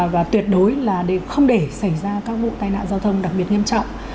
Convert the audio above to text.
và tuyệt đối là để không để xảy ra các vụ tai nạn giao thông đặc biệt nghiêm trọng